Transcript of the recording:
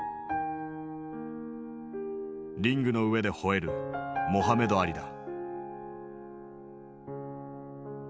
リングの上でほえるモハメド・アリだ。